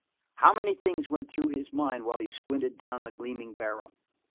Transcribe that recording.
How many things went through his mind while he squinted down the gleaming barrel!